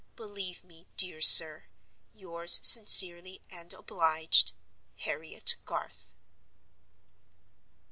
Believe me, dear sir, yours sincerely and obliged, "HARRIET GARTH."